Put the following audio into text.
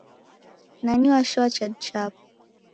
Nani washoa chadu chapo?